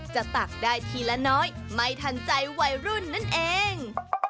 ตักได้ทีละน้อยไม่ทันใจวัยรุ่นนั่นเอง